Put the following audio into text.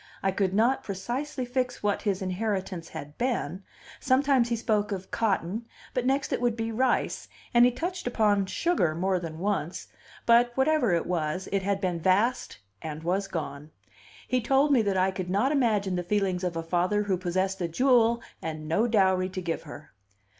I could not precisely fix what his inheritance had been; sometimes he spoke of cotton, but next it would be rice, and he touched upon sugar more than once; but, whatever it was, it had been vast and was gone. He told me that I could not imagine the feelings of a father who possessed a jewel and no dowry to give her.